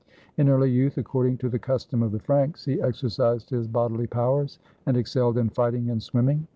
In early youth, according to the custom of the Franks, he exercised his bodily powers, and excelled in fighting and swimming.